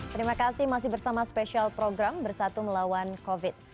terima kasih masih bersama spesial program bersatu melawan covid